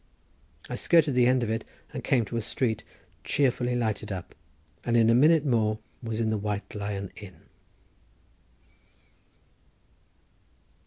I skirted the end of it, and came to a street cheerfully lighted up, and in a minute more was in the White Lion Inn.